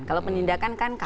kalau penindakan kan kpk